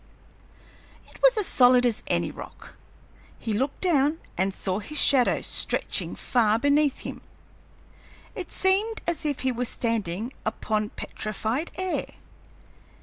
It was as solid as any rock. He looked down and saw his shadow stretching far beneath him. It seemed as if he were standing upon petrified air.